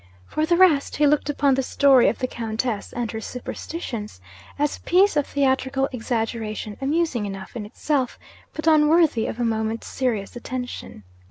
For the rest, he looked upon the story of the Countess and her superstitions as a piece of theatrical exaggeration, amusing enough in itself, but unworthy of a moment's serious attention.